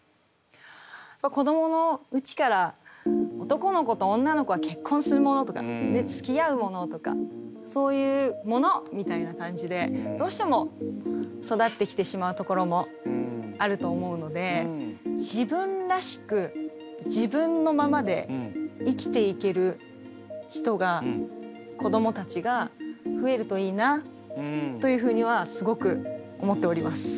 子どものうちから男の子と女の子は結婚するものとかつきあうものとかそういう「もの」みたいな感じでどうしても育ってきてしまうところもあると思うので自分らしく自分のままで生きていける人が子どもたちが増えるといいなというふうにはすごく思っております。